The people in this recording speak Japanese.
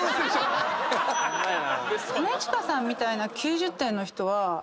兼近さんみたいな。